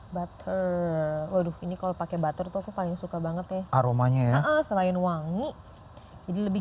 butter waduh ini kalau pakai butter tuh aku paling suka banget ya aromanya selain wangi jadi lebih